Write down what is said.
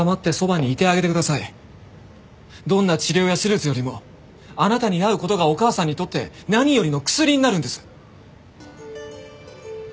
どんな治療や手術よりもあなたに会う事がお母さんにとって何よりの薬になるんです。